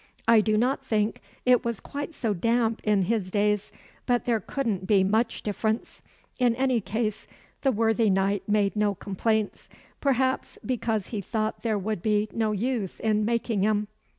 I do not think it was quite so damp in his days but there couldn't be much difference. In any case, the worthy knight made no complaints; perhaps because he thought there would be no use in making 'em.